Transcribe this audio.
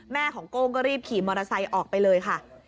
ของโก้งก็รีบขี่มอเตอร์ไซค์ออกไปเลยค่ะ